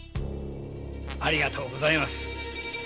ありがとうございます。